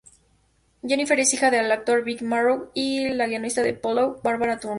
Jennifer es hija del actor Vic Morrow y la guionista de "Pollock", Barbara Turner.